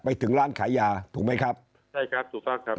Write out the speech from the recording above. ไปถึงร้านขายยาถูกไหมครับใช่ครับถูกต้องครับ